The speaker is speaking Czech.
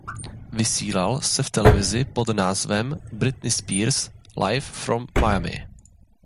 Vysílal se v televizi pod názvem Britney Spears Live From Miami.